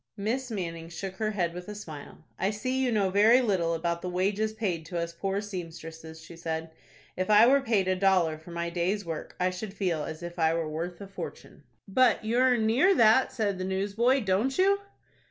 Miss Manning shook her head, with a smile. "I see you know very little about the wages paid to us poor seamstresses," she said. "If I were paid a dollar for my day's work I should feel as if I were worth a fortune." "But you earn near that," said the newsboy, "don't you?"